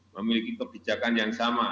memiliki kebijakan yang sama